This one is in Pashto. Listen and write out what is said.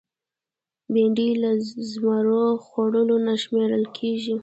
بېنډۍ له زمرو خوړو نه شمېرل کېږي